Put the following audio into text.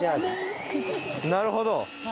なるほど。